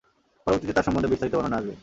পরবর্তীতে তার সম্বন্ধে বিস্তারিত বর্ণনা আসবে।